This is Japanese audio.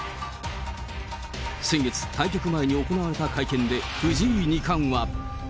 先月、対局前に行われた会見で、藤井二冠は。